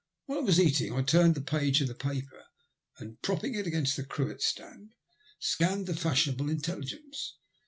While I was eating I turned the page of the paper, and propping it against the cruet stand, scanned the fashionable intelligence.